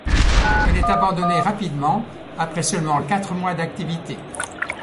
Elle est abandonnée rapidement, après seulement quatre mois d'activité.